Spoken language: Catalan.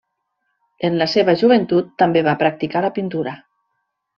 En la seva joventut també va practicar la pintura.